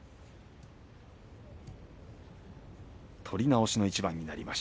取り直しの一番。